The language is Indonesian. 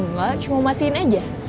nggak cuma mau masiin aja